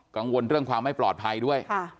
กังวลเรื่องความไม่ปลอดภัยด้วย